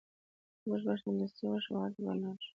موږ به سمدستي ورشو او هلته به لاړ شو